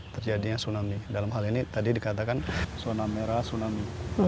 terjadinya tsunami dalam hal ini tadi dikatakan zona merah tsunami